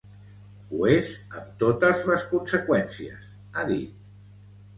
Ho és amb totes les conseqüències, ha dit.